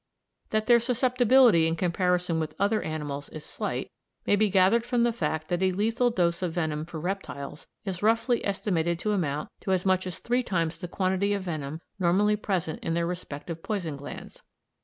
That their susceptibility in comparison with other animals is very slight, may be gathered from the fact that a lethal dose of venom for reptiles is roughly estimated to amount to as much as three times the quantity of venom normally present in their respective poison glands.